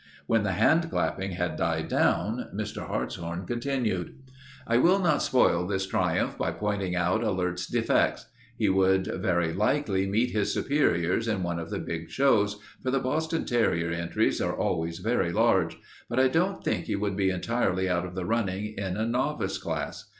When the hand clapping had died down, Mr. Hartshorn continued: "I will not spoil this triumph by pointing out Alert's defects. He would very likely meet his superiors in one of the big shows, for the Boston terrier entries are always very large, but I don't think he would be entirely out of the running in a novice class.